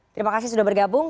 terima kasih sudah bergabung